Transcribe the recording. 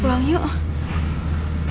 ibu pulang yuk